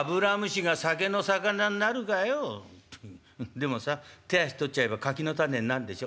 「でもさ手足取っちゃえば柿の種になるでしょ」。